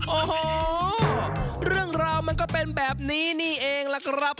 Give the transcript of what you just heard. โอ้โหเรื่องราวมันก็เป็นแบบนี้นี่เองล่ะครับ